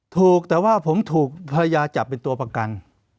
ถูกแต่ว่าผมถูกภรรยาจับเป็นตัวประกัน